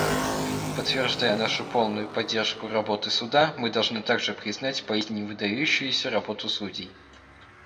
Подтверждая нашу полную поддержку работы Суда, мы должны также признать поистине выдающуюся работу судей.